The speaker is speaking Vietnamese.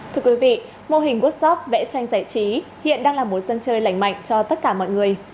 thưa quý vị mô hình workshop vẽ tranh giải trí hiện đang là một sân chơi lành mạnh cho tất cả mọi người